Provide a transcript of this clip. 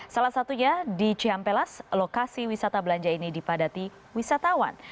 salah satunya di cihampelas lokasi wisata belanja ini dipadati wisatawan